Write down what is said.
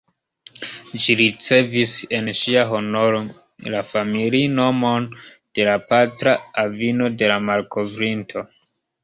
Ĝi ricevis, en ŝia honoro, la familinomon de la patra avino de la malkovrinto.